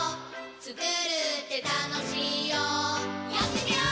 つくるってたのしいよやってみよー！